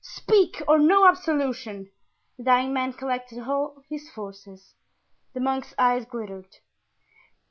Speak, or no absolution!" The dying man collected all his forces. The monk's eyes glittered.